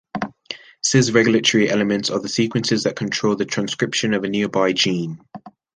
Cis-regulatory elements are sequences that control the transcription of a nearby gene.